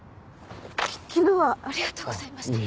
き昨日はありがとうございました。